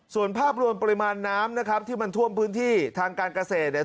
ส่วนภาพรวมปริมาณน้ำนะครับที่มันท่วมพื้นที่ทางการเกษตรเนี่ย